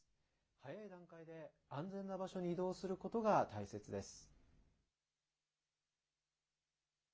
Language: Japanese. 早い段階で安全な場所に移動することが大切です。